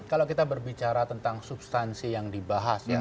kalau kita berbicara tentang substansi yang dibahas ya